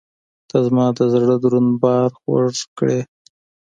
• ته زما د زړګي دروند بار خوږ کړې.